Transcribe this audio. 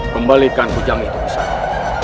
kembalikan kucang itu usada